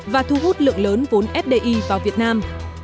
và thu hút lượng lớn vốn fdi vào việt nam